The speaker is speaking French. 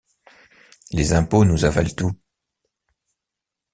Les impôts nous avalent tout.